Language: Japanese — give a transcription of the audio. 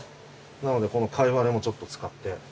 なのでこのカイワレもちょっと使って。